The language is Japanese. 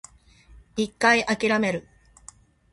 一回諦める